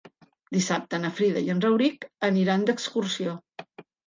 Dissabte na Frida i en Rauric aniran d'excursió.